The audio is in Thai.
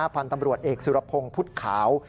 พันธุ์ตำรวจเอกสุรพงศ์พุทธขาว